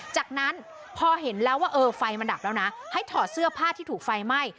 จากนั้นพอเห็นแล้วว่าเออไฟมันดับแล้วนะให้ถอดเสื้อผ้าที่ถูกไฟไหม้